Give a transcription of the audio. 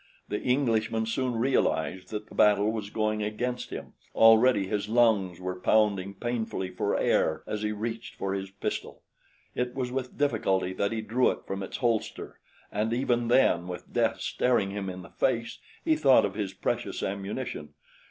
The Englishman soon realized that the battle was going against him. Already his lungs were pounding painfully for air as he reached for his pistol. It was with difficulty that he drew it from its holster, and even then, with death staring him in the face, he thought of his precious ammunition.